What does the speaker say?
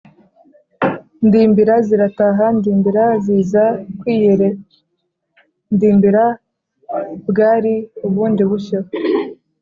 ndimbira zirataha: ndimbira ziza kwiyere ndimbira bwari ubundi bushyo